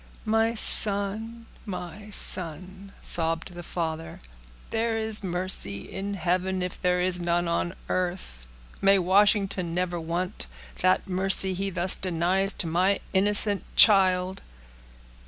"My son! my son!" sobbed the father, "there is mercy in heaven, if there is none on earth. May Washington never want that mercy he thus denies to my innocent child!"